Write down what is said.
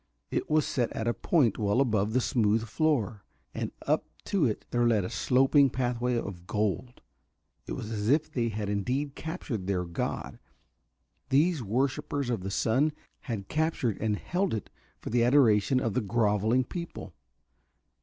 It was set at a point well above the smooth floor, and up to it there led a sloping pathway of gold. It was as if they had indeed captured their god, these worshipers of the sun, had captured and held it for the adoration of the grovelling people.